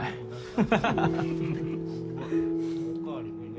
ハハハハ。